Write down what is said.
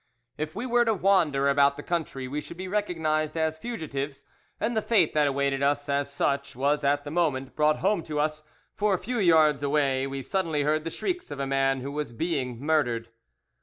If we were to wander about the country we should be recognised as fugitives, and the fate that awaited us as such was at that moment brought home to us, for a few yards away we suddenly heard the shrieks of a man who was being murdered.